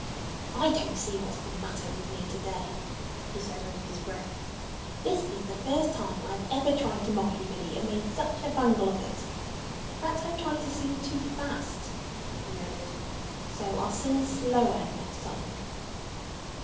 "I don't see what's the matter with me to day," he said under his breath. "This is the first time I ever tried to mock anybody and made such a bungle of it.... Perhaps I'm trying to sing too fast," he added. "So I'll sing slower next time."